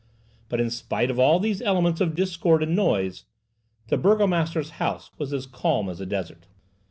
But in spite of all these elements of discord and noise, the burgomaster's house was as calm as a desert.